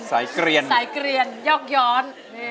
สายเกลียนยอคย้อน